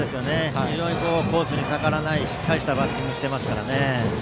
コースに逆らわないしっかりしたバッティングをしています。